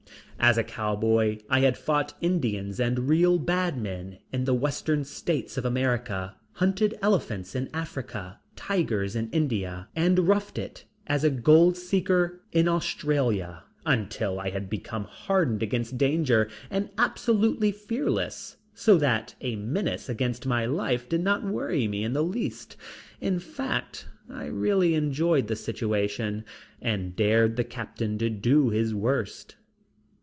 As a cowboy I had fought Indians and real bad men in the western states of America, hunted elephants in Africa, tigers in India, and roughed it as a gold seeker in Australia until I had become hardened against danger and absolutely fearless, so that a menace against my life did not worry me in the least. In fact, I really enjoyed the situation and dared the captain to do his worst.